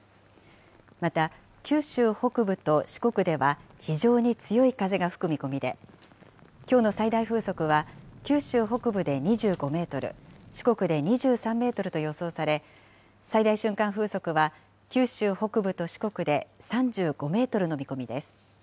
また、九州北部と四国では、非常に強い風が吹く見込みで、きょうの最大風速は九州北部で２５メートル、四国で２３メートルと予想され、最大瞬間風速は、九州北部と四国で３５メートルの見込みです。